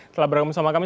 telah bergabung sama kami